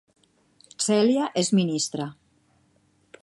Cèlia és ministra